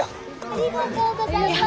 ありがとうございます。